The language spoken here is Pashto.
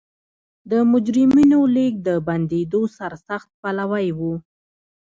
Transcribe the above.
د مجرمینو لېږد د بندېدو سرسخت پلوی و.